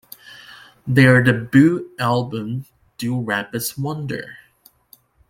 Their debut album, Do Rabbits Wonder?